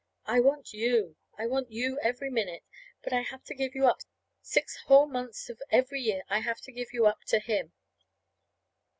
I want you! I want you every minute; but I have to give you up six whole months of every year I have to give you up to him.